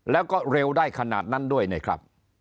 แล้วก็เร็วได้ขนาดนั้นด้วยนะครับ